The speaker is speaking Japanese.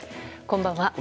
こんばんは。